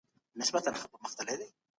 چې ژوند د فرصتونو ډګر دی.